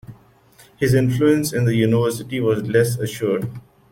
His influence in the University was less assured.